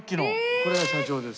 これが社長です。